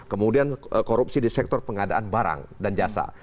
kemudian korupsi di sektor pengadaan barang dan jasa